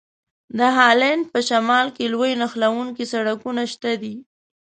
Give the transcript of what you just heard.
د هالند په شمال کې لوی نښلوونکي سړکونه شته دي.